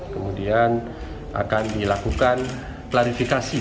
kemudian akan dilakukan klarifikasi